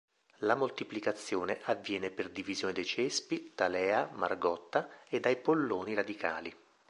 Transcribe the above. La moltiplicazione avviene per divisione dei cespi, talea, margotta e dai polloni radicali.